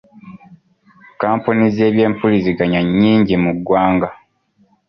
Kkampuni z'ebyempuliziganya nnyingi mu ggwanga.